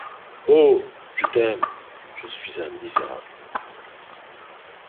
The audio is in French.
Oh! je t’aime ! je suis un misérable !